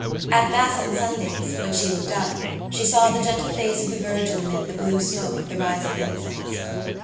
At mass on Sundays, when she looked up, she saw the gentle face of the Virgin amid the blue smoke of the rising incense.